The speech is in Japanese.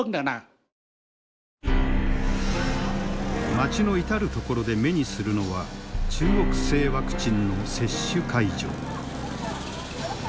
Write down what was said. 街の至る所で目にするのは中国製ワクチンの接種会場。